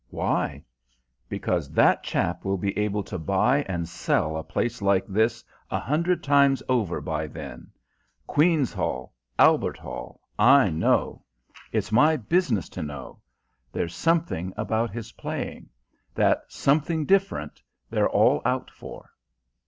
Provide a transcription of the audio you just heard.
"Why?" "Because that chap will be able to buy and sell a place like this a hundred times over by then Queen's Hall Albert Hall I know. It's my business to know. There's something about his playing. That something different they're all out for."